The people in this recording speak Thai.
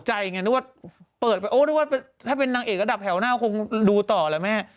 นึกว่าเปิดไปโอ้นึกว่าถ้าเป็นนางเอกระดับแถวหน้าคงดูต่อแหละแม่